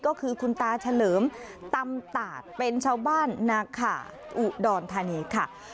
ก็คือคุณตาเฉลิมตำตาดเป็นชาวบ้านนาขาอุดรธานีค่ะ